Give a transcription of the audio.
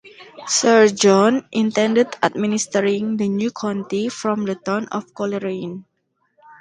Sir John intended administering the new county from the town of Coleraine.